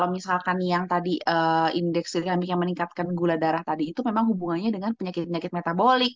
misalkan yang tadi indeks dinamika meningkatkan gula darah tadi itu memang hubungannya dengan penyakit penyakit metabolik